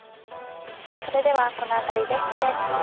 それではこの辺りで失礼します。